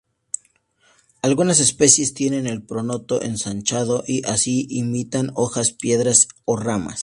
Algunas especies tienen el pronoto ensanchado y así imitan hojas, piedras o ramas.